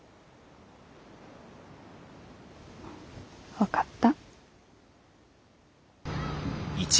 分かった。